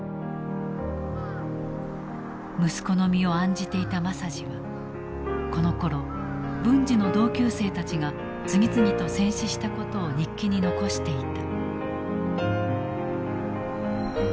息子の身を案じていた政次はこのころ文次の同級生たちが次々と戦死したことを日記に残していた。